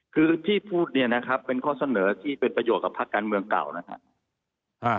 คือที่พูดเนี่ยนะครับเป็นข้อเสนอที่เป็นประโยชน์กับพักการเมืองเก่านะครับ